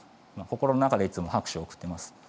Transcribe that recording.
心の中でいつも拍手を送っています。